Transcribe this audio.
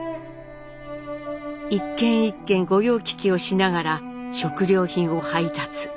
一軒一軒御用聞きをしながら食料品を配達。